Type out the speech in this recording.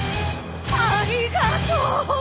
ありがと！